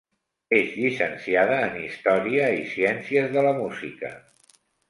És llicenciada en història i ciències de la música.